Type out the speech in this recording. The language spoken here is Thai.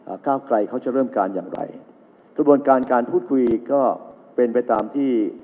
ก้าวไกลเขาจะเริ่มการอย่างไรกระบวนการการพูดคุยก็เป็นไปตามที่